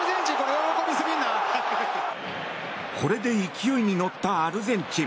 これで勢いに乗ったアルゼンチン。